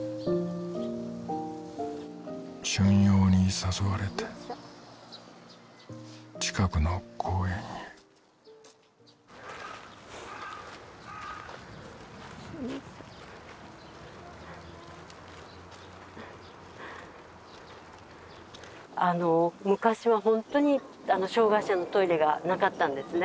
春陽に誘われて近くの公園へ昔はほんとに障がい者のトイレがなかったんですね